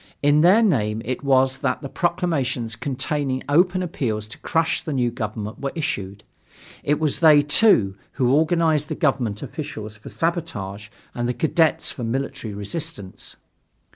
In their name it was that the proclamations containing open appeals to crush the new government were issued. It was they, too, who organized the government officials for sabotage and the cadets for military resistance.